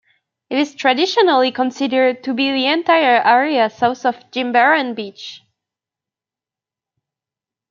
It is traditionally considered to be the entire area south of Jimbaran beach.